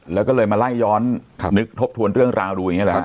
แล้วก็เลยมาไล่ย้อนนึกทบทวนเรื่องราวดูอย่างนี้แหละฮ